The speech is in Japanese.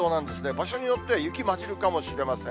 場所によっては雪交じるかもしれません。